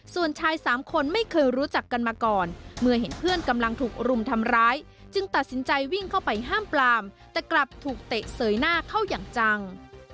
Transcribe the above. ส่วนชายสามคนไม่เคยรู้จักกันมาก่อนเมื่อเห็นเพื่อนกำลังถูกรุมทำร้ายจึงตัดสินใจวิ่งเข้าไปห้ามปลามแต่กลับถูกเตะเสยหน้าเข้าอย่างจัง